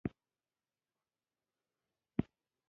د افغانستان په منظره کې ځمکه په ښکاره توګه لیدل کېږي.